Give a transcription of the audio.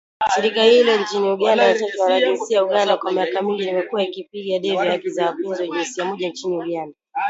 Shirika hilo nchini Uganda Wachache Wanajinsia, Uganda kwa miaka mingi limekuwa likipigia debe haki za wapenzi wa jinsia moja nchini Uganda.